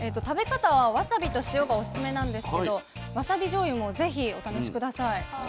食べ方はわさびと塩がおすすめなんですけどわさびじょうゆも是非お試し下さい。